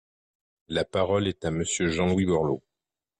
La parole est à Monsieur Jean-Louis Borloo.